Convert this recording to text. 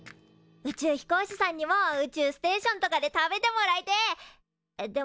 宇宙飛行士さんにも宇宙ステーションとかで食べてもらいてえ。